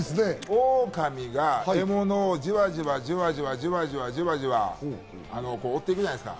狼が獲物をじわじわ、じわじわ、じわじわ追っていくじゃないですか。